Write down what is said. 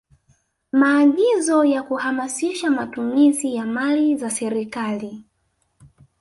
Maagizo ya kuhamasisha matumizi ya mali za serikali